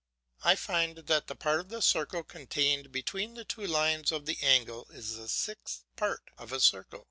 I find that the part of the circle contained between the two lines of the angle is the sixth part of a circle.